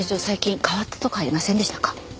最近変わったとこありませんでしたか？